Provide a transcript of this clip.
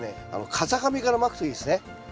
風上からまくといいですね。